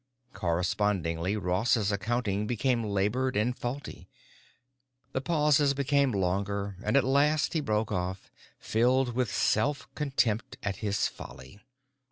Correspondingly Ross's accounting became labored and faulty. The pauses became longer and at last he broke off, filled with self contempt at his folly.